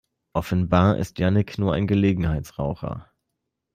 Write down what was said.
Offenbar ist Jannick nur ein Gelegenheitsraucher.